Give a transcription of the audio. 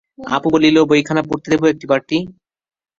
অপু বলিল, বইখানা পড়তে দেবে একবারটি?